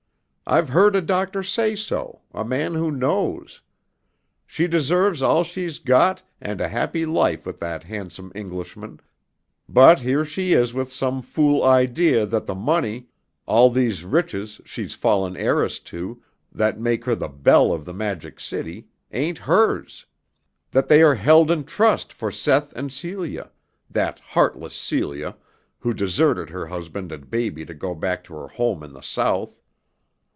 I've heard a doctor say so, a man who knows. She deserves all she's got and a happy life with that handsome Englishman, but here she is with some fool idea that the money, all these riches she's fallen heiress to, that make her the belle of the Magic City, ain't hers. That they are held in trust for Seth and Celia, that heartless Celia, who deserted her husband and baby to go back to her home in the South.